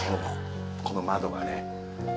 この窓がね